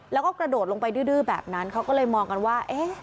แล้วก็กระโดดลงไปดื้อแบบนั้นเขาก็เลยมองกันว่า